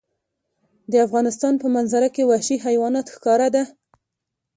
د افغانستان په منظره کې وحشي حیوانات ښکاره ده.